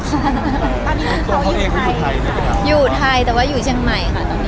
ตอนนี้เขาอยู่ไทยอยู่ไทยแต่ว่าอยู่เชียงใหม่ค่ะ